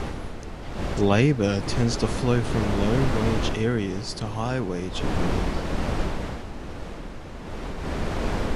Labor tends to flow from low-wage areas to high-wage areas.